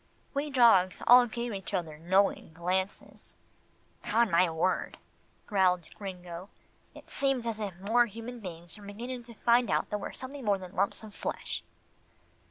We dogs all gave each other knowing glances. "'Pon my word," growled Gringo, "it seems as if more human beings were beginning to find out that we're something more than lumps of flesh."